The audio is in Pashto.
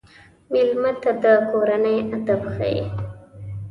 مېلمه ته د کورنۍ ادب ښيي.